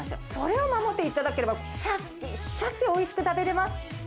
それを守っていただければ、しゃきしゃきおいしく食べれます。